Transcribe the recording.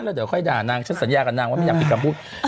แล้วเดี๋ยวค่อยด่านางฉันสัญญากับนางว่าไม่อยากผิดคำพูด